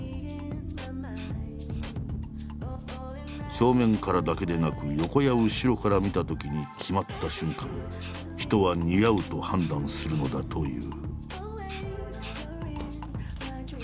正面からだけでなく横や後ろから見たときに決まった瞬間人は「似合う」と判断するのだという。